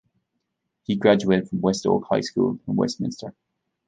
He graduated from West-Oak High School in Westminster.